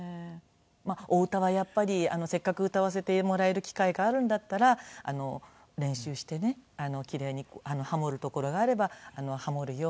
お歌はやっぱりせっかく歌わせてもらえる機会があるんだったら練習してね奇麗にハモるところがあればハモるようにって。